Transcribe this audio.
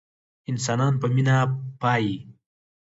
انسانان په مينه پايي